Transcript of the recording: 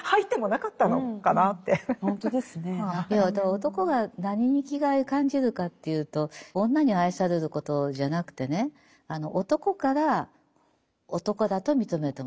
男が何に生きがいを感じるかというと女に愛されることじゃなくてね男から男だと認めてもらえる。